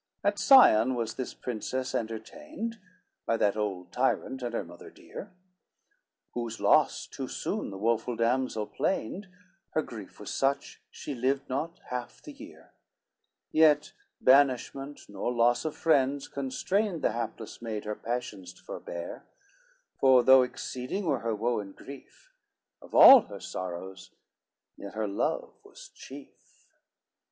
LIX At Sion was this princess entertained, By that old tyrant and her mother dear, Whose loss too soon the woful damsel plained, Her grief was such, she lived not half the year, Yet banishment, nor loss of friends constrained The hapless maid her passions to forbear, For though exceeding were her woe and grief, Of all her sorrows yet her love was chief.